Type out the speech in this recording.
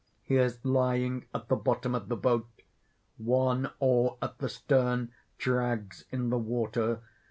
He is lying at the bottom of the boat; one oar at the stem, drags in the water.